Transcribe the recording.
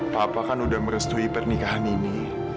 papa kan udah merestui pernikahan ini